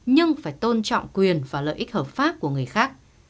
nhưng phải tôn trọng quyền và lợi ích hợp pháp của người khác